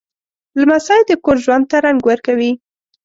لمسی د کور ژوند ته رنګ ورکوي.